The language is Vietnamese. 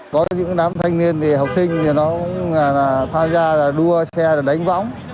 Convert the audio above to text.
có những đám thanh niên học sinh thì nó cũng tham gia đua xe đánh võng